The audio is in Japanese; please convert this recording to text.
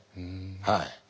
はい。